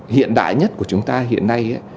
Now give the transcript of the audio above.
hiện đại nhất của chúng ta hiện nay